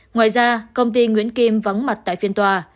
ngoài ra công ty nguyễn kim vắng mặt tại phiên tòa